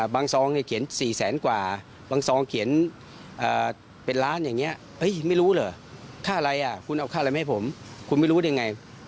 ซองเนี่ยเขียน๔แสนกว่าบางซองเขียนเป็นล้านอย่างนี้ไม่รู้เหรอค่าอะไรคุณเอาค่าอะไรมาให้ผมคุณไม่รู้ได้ไง